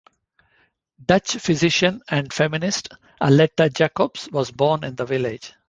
Dutch physician and feminist Aletta Jacobs was born in the village.